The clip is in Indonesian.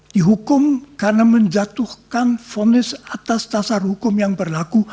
dihukum karena menjatuhkan fonis atas dasar hukum yang berlaku